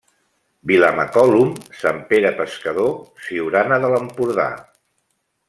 Vilamacolum, Sant Pere Pescador, Siurana de l'Empordà.